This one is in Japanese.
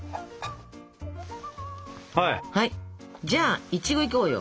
じゃあイチゴいこうよ。